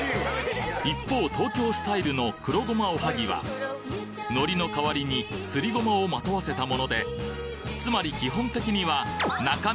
一方東京スタイルの黒ごまおはぎは海苔の代わりにすりごまをまとわせたものでつまり基本的には